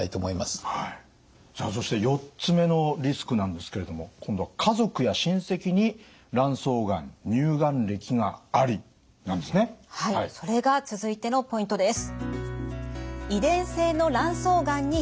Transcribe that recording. さあそして４つ目のリスクなんですけれども今度はそれが続いてのポイントです。